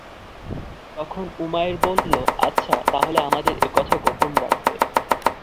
তখন উমাইর বলল, আচ্ছা, তাহলে আমাদের এ কথা গোপন রাখবে।